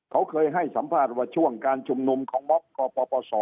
เขาเคยให้สัมภาษณ์ว่าช่วงการชุมนุมของม็อกกปศ